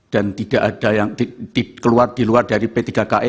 tidak ada yang keluar di luar dari p tiga km